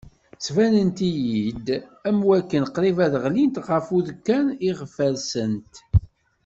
Ttbanent-iyi-d am wakken qrib ad d-ɣlint ɣef udekkan iɣef rsent.